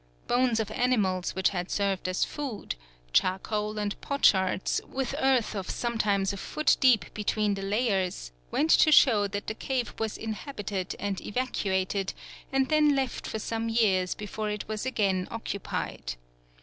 Bones of animals which had served as food, charcoal, and potsherds, with earth of sometimes a foot deep between the layers, went to show that the cave was inhabited and evacuated, and then left for some years before it was again occupied.